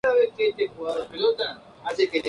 Se desconoce la fecha de su construcción.